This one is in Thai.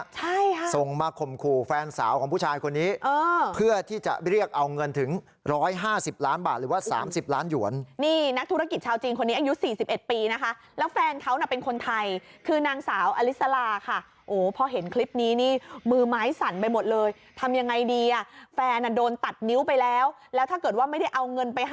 ใช่ค่ะส่งมาข่มขู่แฟนสาวของผู้ชายคนนี้เพื่อที่จะเรียกเอาเงินถึง๑๕๐ล้านบาทหรือว่า๓๐ล้านหยวนนี่นักธุรกิจชาวจีนคนนี้อายุ๔๑ปีนะคะแล้วแฟนเขาน่ะเป็นคนไทยคือนางสาวอลิสลาค่ะโอ้พอเห็นคลิปนี้นี่มือไม้สั่นไปหมดเลยทำยังไงดีอ่ะแฟนอ่ะโดนตัดนิ้วไปแล้วแล้วถ้าเกิดว่าไม่ได้เอาเงินไปให้